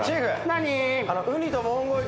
何？